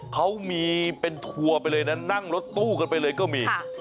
เขามีเป็นทัวร์ไปเลยนะนั่งรถตู้กันไปเลยก็มี